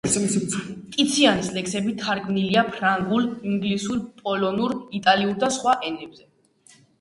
ტიციანის ლექსები თარგმნილია ფრანგულ, ინგლისურ, პოლონურ, იტალიურ და სხვა ენებზე.